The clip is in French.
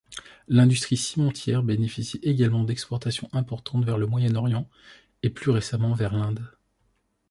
L'industrie cimentière bénéficie également d'exportations importantes vers le Moyen-Orient et plus récemment vers l'Inde.